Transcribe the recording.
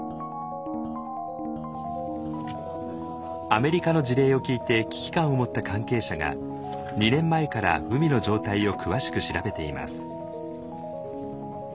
アメリカの事例を聞いて危機感を持った関係者が２年前から海の状態を詳しく調べています。